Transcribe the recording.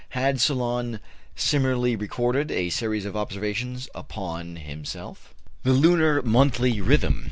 Had Solon similarly recorded a series of observations upon himself? THE LUNAR MONTHLY RHYTHM.